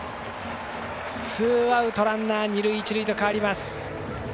ツーアウトランナー、二塁一塁と変わります。